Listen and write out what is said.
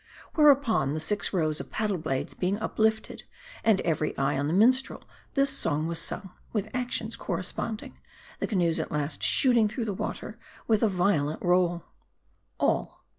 , Whereupon the six rows of paddle blades being uplifted, and every eye on the minstrel, this song was sung, with actions corresponding; the canoes at last shooting through the water, with a violent roll. (Ml.)